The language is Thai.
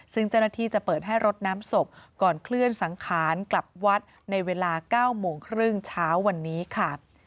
ซึ่งเจ้าหน้าที่จะเปิดให้รดน้ำศพก่อนเคลื่อนสังขารกลับวัดในเวลา๙โมงครึ่งเช้าวันนี้ค่ะ